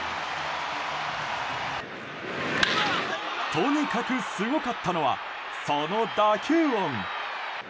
とにかくすごかったのはその打球音。